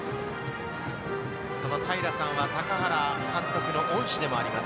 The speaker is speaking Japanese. その平さんは高原監督の恩師でもあります。